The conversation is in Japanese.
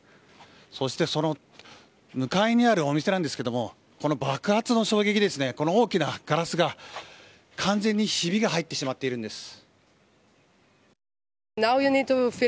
そしてその向かいにあるお店なんですけども、この爆発の衝撃で、この大きなガラスが、完全にひびが入ってしまっているんです。